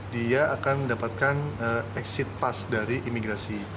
dia akan mendapatkan exit pass dari imigrasi